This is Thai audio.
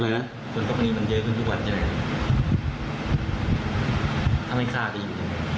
อะไรนะเหมือนต้องมีมันเยอะขึ้นทุกวันจะได้ถ้าไม่ฆ่ากันอีก